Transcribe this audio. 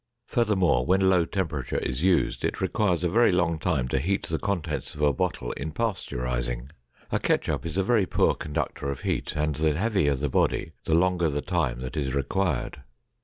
Furthermore, when low temperature is used, it requires a very long time to heat the contents of a bottle in pasteurizing. A ketchup is a very poor conductor of heat and the heavier the body, the longer the time that is required.